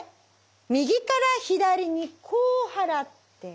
右から左にこう払って。